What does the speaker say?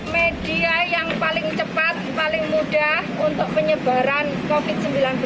media yang paling cepat paling mudah untuk penyebaran covid sembilan belas